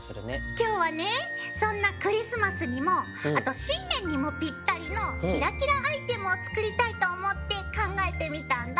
きょうはねそんなクリスマスにもあと新年にもピッタリのキラキラアイテムを作りたいと思って考えてみたんだ。